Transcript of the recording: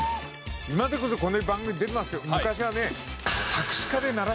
今でこそこんなに番組出てますけど昔はね。